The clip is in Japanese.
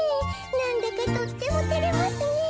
なんだかとってもてれますねえ。